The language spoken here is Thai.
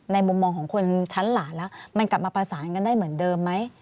มุมมองของคนชั้นหลานแล้วมันกลับมาประสานกันได้เหมือนเดิมไหม